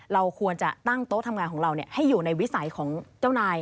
เราควรจะตั้งโต๊ะทำงานของเราให้อยู่ในวิสัยของเจ้านาย